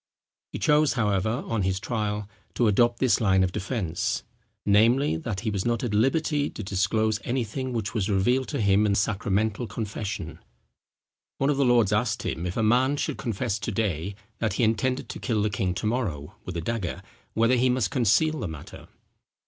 He chose, however, on his trial, to adopt this line of defence, namely, that he was not at liberty to disclose anything which was revealed to him in sacramental confession. One of the lords asked him if a man should confess to day, that he intended to kill the king to morrow with a dagger, whether he must conceal the matter?